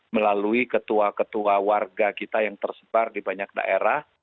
melalui ketua ketua warga kita yang tersebar di banyak daerah